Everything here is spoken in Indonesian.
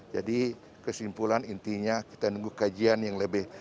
jadi kesimpulan intinya kita nunggu kajian yang lebih